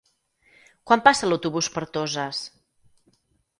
Quan passa l'autobús per Toses?